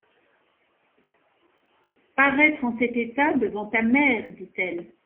Paraître en cet état, devant ta mère, dit-elle!